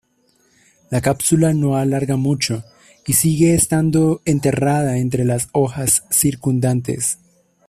La cápsula no alarga mucho, y sigue estando enterrada entre las hojas circundantes.